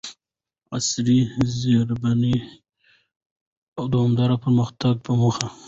عصري زیربناوو او دوامداره پرمختګ په موخه،